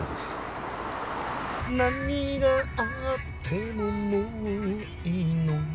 「何があってももういいの」